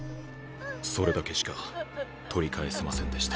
それだけしか取り返せませんでした。